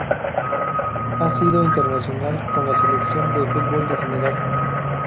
Ha sido internacional con la selección de fútbol de Senegal.